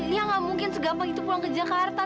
ya gak mungkin segampang itu pulang ke jakarta